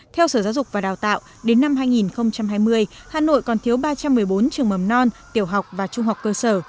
theo sở giáo dục và đào tạo đến năm hai nghìn hai mươi hà nội còn thiếu ba trăm một mươi bốn trường mầm non tiểu học và trung học cơ sở